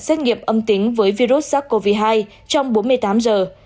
xét nghiệm âm tính với virus sars cov hai trong bốn mươi tám giờ